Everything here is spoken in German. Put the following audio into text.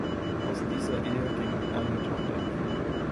Aus dieser Ehe ging eine Tochter hervor.